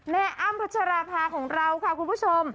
อ้ำพัชราภาของเราค่ะคุณผู้ชม